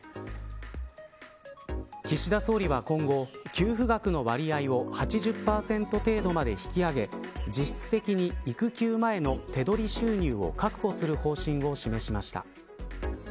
岸田総理は今後給付額の割合を８０％程度にまで引き上げ実質的に育休前の手取り収入を確保する方針を示しました。